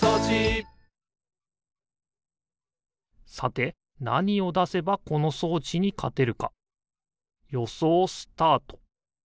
さてなにをだせばこのそうちにかてるかよそうスタート！